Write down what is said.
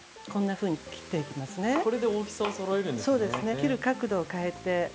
切る角度を変えて。